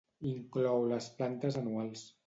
Inclou les plantes anuals.